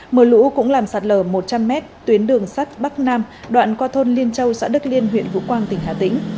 mưa lũ cũng làm sạt lở một trăm linh m tuyến đường sắt bắc nam đoạn qua thôn liên châu xã đức liên huyện vũ quang tỉnh hà tĩnh